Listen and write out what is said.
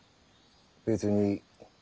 別に。